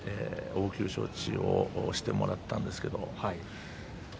応急処置をしてもらったんですよ。